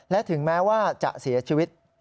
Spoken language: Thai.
และถึงแม้ว่าจะเสียชีวิต